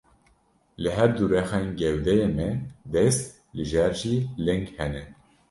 Li her du rexên gewdeyê me dest, li jêr jî ling hene.